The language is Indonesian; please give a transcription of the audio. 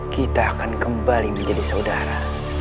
kita akan kembali menjadi saudara